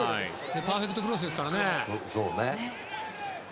パーフェクトクロスですからね。